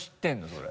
それ。